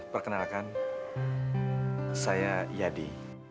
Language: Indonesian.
perkenalkan saya yadi